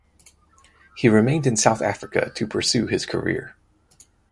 He remained in South Africa to pursue his career.